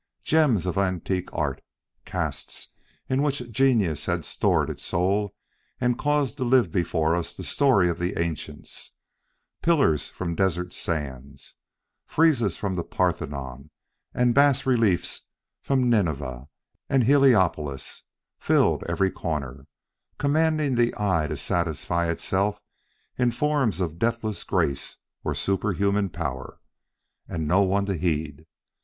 Gems of antique art, casts in which genius had stored its soul and caused to live before us the story of the ancients, pillars from desert sands, friezes from the Parthenon and bas reliefs from Nineveh and Heliopolis, filled every corner, commanding the eye to satisfy itself in forms of deathless grace or superhuman power. And no one to heed!